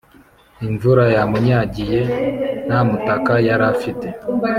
imvura yamunyagiye ntamutaka yarafite